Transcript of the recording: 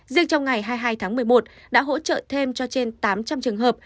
riêng trong ngày hai mươi hai tháng một mươi một đã hỗ trợ thêm cho trên tám trăm linh trường hợp